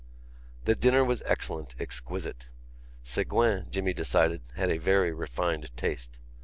The dinner was excellent, exquisite. Ségouin, Jimmy decided, had a very refined taste.